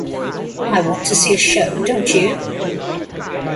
I want to see a show, don't you?